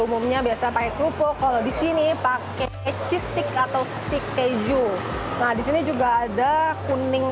umumnya biasa pakai kerupuk kalau di sini pakai cistik atau stik keju nah disini juga ada kuning